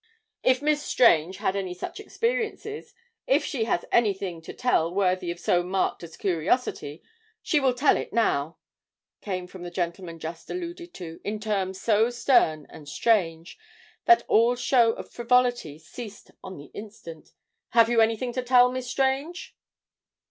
"If Miss Strange had any such experiences if she has anything to tell worthy of so marked a curiosity, she will tell it now," came from the gentleman just alluded to, in tones so stern and strange that all show of frivolity ceased on the instant. "Have you anything to tell, Miss Strange?"